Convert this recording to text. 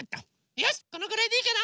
よしこのぐらいでいいかな。